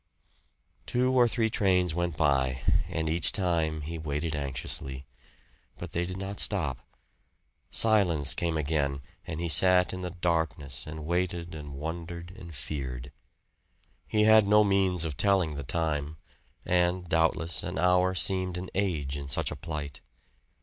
Two or three trains went by, and each time he waited anxiously. But they did not stop. Silence came again, and he sat in the darkness and waited and wondered and feared. He had no means of telling the time; and doubtless an hour seemed an age in such a plight.